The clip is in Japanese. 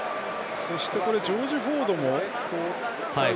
そして、ジョージ・フォードも交代ですね。